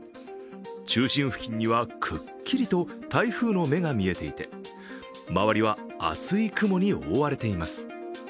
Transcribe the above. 中心付近にはくっくりと台風の目が見えていて周りは厚い雲に覆われています。